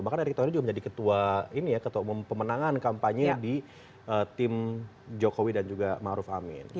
bahkan erick thohir juga menjadi ketua pemenangan kampanye di tim jokowi dan juga ⁇ maruf ⁇ amin